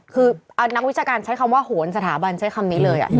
คือนักวิชาการใช้คำว่าโหนสถาบันใช้คำนี้เลย